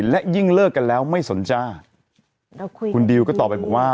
และยิ่งเลิกกันแล้วไม่สนจ้าคุณดิวก็ตอบไปบอกว่า